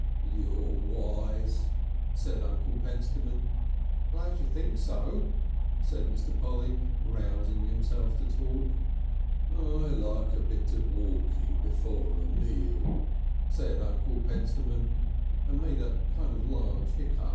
"You're wise," said Uncle Pentstemon. "Glad you think so," said Mr. Polly, rousing himself to talk. "I likes a bit of walking before a meal," said Uncle Pentstemon, and made a kind of large hiccup.